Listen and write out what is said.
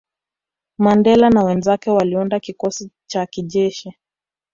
Mandela na wenzake waliunda kikosi cha kijeshi